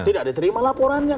tidak diterima laporannya